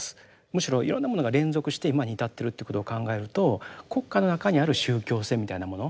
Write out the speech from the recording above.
むしろいろんなものが連続して今に至ってるということを考えると国家の中にある宗教性みたいなもの